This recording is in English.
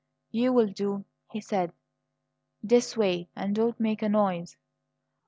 "You'll do," he said. "This way, and don't make a noise."